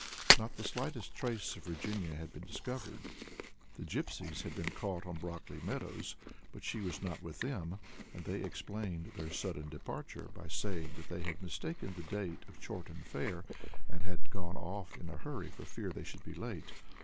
Not the slightest trace of Virginia had been discovered. The gipsies had been caught on Brockley meadows, but she was not with them, and they had explained their sudden departure by saying that they had mistaken the date of Chorton Fair, and had gone off in a hurry for fear they should be late.